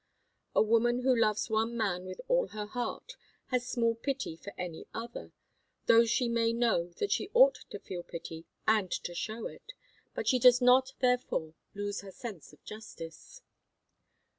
A woman who loves one man with all her heart has small pity for any other, though she may know that she ought to feel pity and to show it. But she does not therefore lose her sense of justice.